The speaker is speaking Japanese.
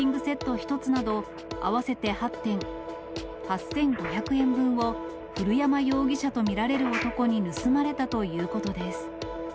１つなど、合わせて８点、８５００円分を古山容疑者と見られる男に盗まれたということです。